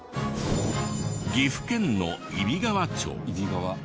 岐阜県の揖斐川町。